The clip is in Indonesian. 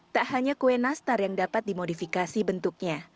tak hanya kue nastar yang dapat dimodifikasi bentuknya